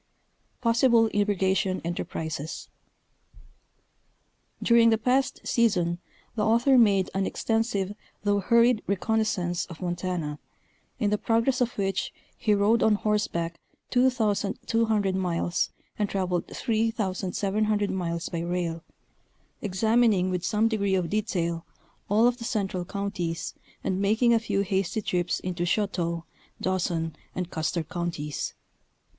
PossiBLE IRRIGATION ENTERPRISES. During the past season the author made an extensive though hurried reconnoisance of Montana, in the progress of which he rode on horseback 2,200 miles and traveled 3,700 miles by rail, examining with some degree of detail all of the central counties and making a few hasty trips into Choteau, Dawson and Custer Counties.